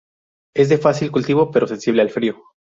Es de fácil cultivo, pero sensible al frío.